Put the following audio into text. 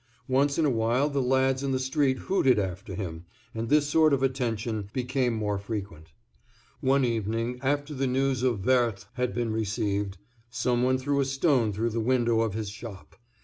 Once in a while the lads in the street hooted after him, and this sort of attention became more frequent. One evening, after the news of Woerth had been received, some one threw a stone through the window of his shop.